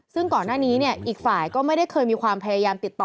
ซึ่งก่อนหน้านี้เนี่ยอีกฝ่ายก็ไม่ได้เคยมีความพยายามติดต่อ